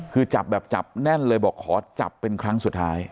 คือจับแบบจับแน่นเลยบอกขอจับเป็นครั้งสุดท้าย